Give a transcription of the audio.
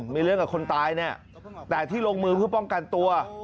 มีเรื่องกับคนตายเนี่ยแต่ที่ลงมือเพื่อป้องกันตัว